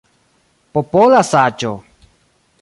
Popola saĝo!